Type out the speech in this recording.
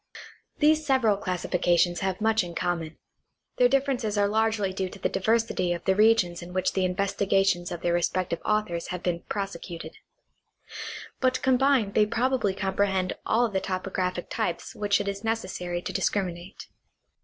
These several classifications have much in common ; their differences are largely due to the diversity of the regions in which the investigations of their respective authors have been prosecuted; but combined they probably comprehend all the topographic types which it is necessary to discriminate.